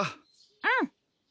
うん